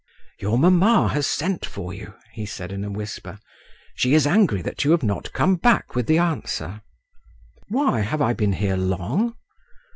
"Your mamma has sent for you," he said in a whisper. "She is angry that you have not come back with the answer." "Why, have I been here long?"